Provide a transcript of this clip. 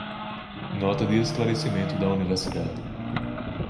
Nota de esclarecimento da universidade